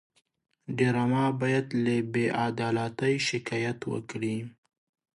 ډرامه باید له بېعدالتۍ شکایت وکړي